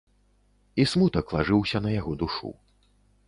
І смутак лажыўся на яго душу.